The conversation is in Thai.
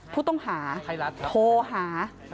ผู้ต้องหาโทรหา